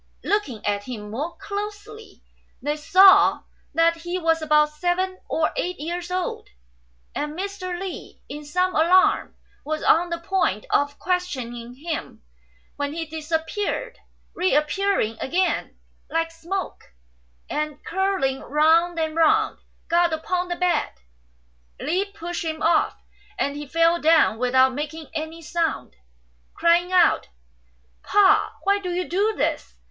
Looking at him more closely, they saw that he was about seven or eight years old, and Mr. Li, in some alarm, was on the point of questioning him, when he disappeared, re appearing again like smoke, and, curling round and round, got upon the bed. Li pushed him off, and he fell down without making any sound, crying out, "Pa! why do you do this